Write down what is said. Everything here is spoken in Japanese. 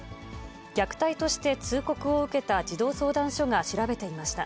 虐待として通告を受けた児童相談所が調べていました。